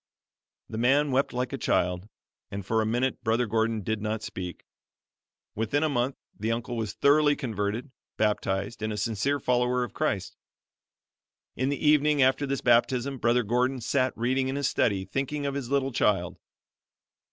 The man wept like a child, and for a minute Brother Gordon did not speak. Within a month the uncle was thoroughly converted, baptized, and a sincere follower of Christ. In the evening after this baptism, Brother Gordon sat reading in his study, thinking of his little child.